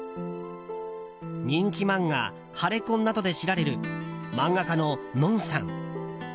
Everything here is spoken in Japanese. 人気漫画「ハレ婚。」などで知られる、漫画家のＮＯＮさん。